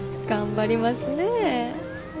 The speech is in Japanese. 頑張りますねえ。